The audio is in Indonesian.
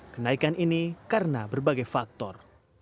kenaikan ini karena berbagai faktor